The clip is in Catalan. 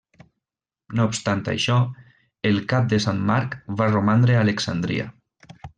No obstant això, el cap de Sant Marc va romandre a Alexandria.